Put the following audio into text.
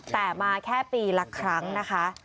แต่มาแค่ปีละครั้งนะคะ